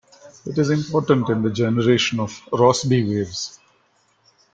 It is important in the generation of Rossby waves.